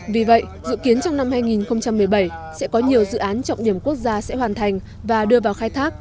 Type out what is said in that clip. vì vậy dự kiến trong năm hai nghìn một mươi bảy sẽ có nhiều dự án trọng điểm quốc gia sẽ hoàn thành và đưa vào khai thác